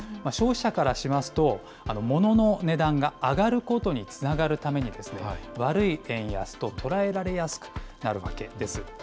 消費者からしますと、ものの値段が上がることにつながるために、悪い円安と捉えられやすくなるわけなんです。